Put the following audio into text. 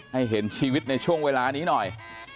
เห็นชีวิตในช่วงเวลานี้หน่อย